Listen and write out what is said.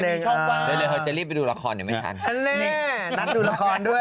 เดี๋ยวเดี๋ยวเราจะรีบไปดูละครอยู่ไม่ทันนั้นดูละครด้วย